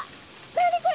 何これ！？